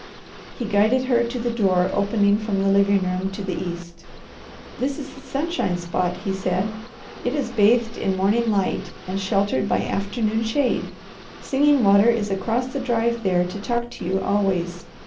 He guided her to the door opening from the living room to the east. "This is the sunshine spot," he said. "It is bathed in morning light, and sheltered by afternoon shade. Singing Water is across the drive there to talk to you always.